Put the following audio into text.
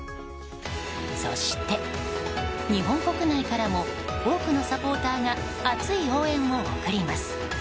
そして、日本国内からも多くのサポーターが熱い応援を送ります。